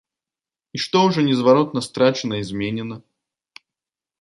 І што ўжо незваротна страчана і зменена?